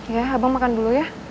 ya abang makan dulu ya